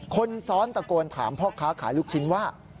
คนซ้อนตะโกนถามพ่อค้าขายลูกชิ้นว่า